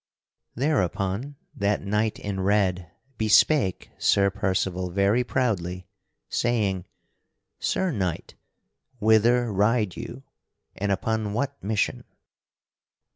Thereupon that knight in red bespake Sir Percival very proudly, saying: "Sir Knight, whither ride you, and upon what mission?"